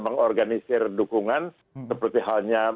yang menurut saya